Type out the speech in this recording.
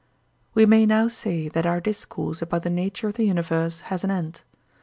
We may now say that our discourse about the nature of the universe has an end.